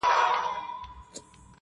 د ساړه ژمي شپې ظالمي توري؛